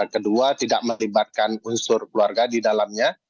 kedua tidak melibatkan unsur keluarga di dalamnya